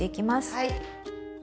はい。